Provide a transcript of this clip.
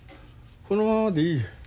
このままでいい。